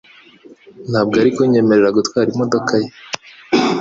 Ntabwo yari kunyemerera gutwara imodoka ye